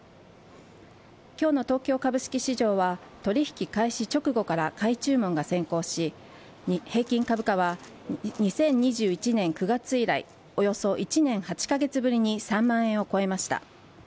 今日の東京株式市場は取引開始直後から買い注文が先行し平均株価は２０２１年９月以来およそ１年８カ月ぶりに３万円を超えました。